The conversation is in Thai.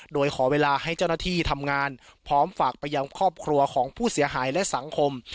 โดยขอเวลาให้เจ้าหน้าที่ทำงานพร้อมฝากไปยังครอบครัวของผู้เสียหายและสังคม